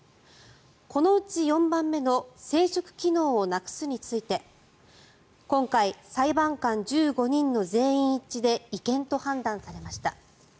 このうち４番目の生殖機能をなくすについて今回、裁判官１５人の全員一致で違憲と判断されました。